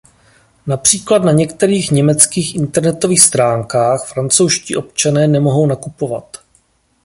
Například na některých německých internetových stránkách francouzští občané nemohou nakupovat.